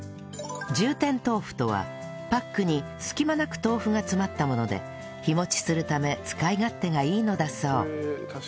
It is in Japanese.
充填豆腐とはパックに隙間なく豆腐が詰まったもので日持ちするため使い勝手がいいのだそう